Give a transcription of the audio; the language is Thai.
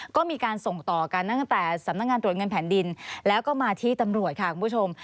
ก็มีการส่งต่อกันตั้งแต่สำนักงานตรวจเงินแผ่นดินแล้วก็มาที่ตำรวจค่ะคุณผู้ชม